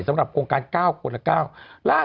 สำหรับโครงการก้าวคนละก้าว